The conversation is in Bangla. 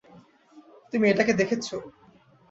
তুমি এটাকে দেখেছো?